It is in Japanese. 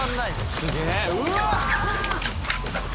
すげえ！